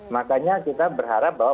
makanya kita berharap bahwa